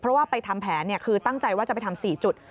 เพราะว่าไปทำแผนคือตั้งใจว่าจะไปทำ๔จุด